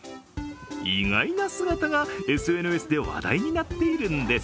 意外な姿がＳＮＳで話題になっているんです。